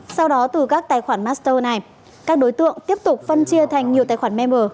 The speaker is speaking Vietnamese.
sau đó từ các tài khoản master này các đối tượng tiếp tục phân chia thành nhiều tài khoản member